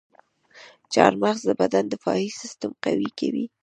چارمغز د بدن دفاعي سیستم قوي کوي.